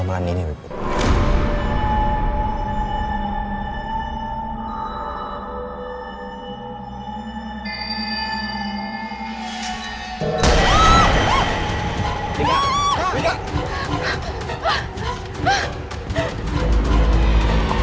kerana dia berkotong